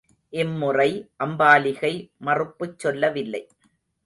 இம்முறை அம்பாலிகை மறுப்புச் சொல்லவில்லை.